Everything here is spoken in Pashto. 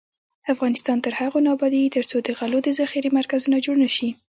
افغانستان تر هغو نه ابادیږي، ترڅو د غلو د ذخیرې مرکزونه جوړ نشي.